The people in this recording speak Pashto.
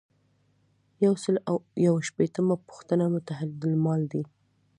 یو سل او یو شپیتمه پوښتنه متحدالمال ده.